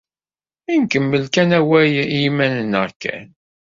I nkemmel kan awal i yiman-nneɣ kan?